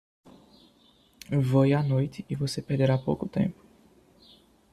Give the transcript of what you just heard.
Voe à noite e você perderá pouco tempo.